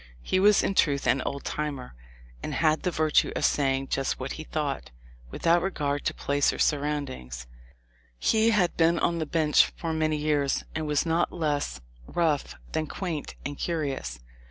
He was in truth an "old timer," and had the virtue of saying just what he thought, without regard to place or surroundings. He had been on the bench for many years and was not less rough than quaint and curious.